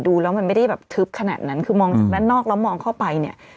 ดูแล้วมันไม่ได้แบบทึบขนาดนั้นคือมองจากด้านนอกแล้วมองเข้าไปเนี่ย